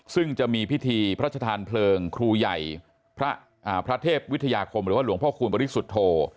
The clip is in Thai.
ซึ่งจะมีพิธีพระชธานเพลิงครูใหญ่พระเทพวิทยาคมหรือว่าหลวงพ่อคูณบริสุทธโธ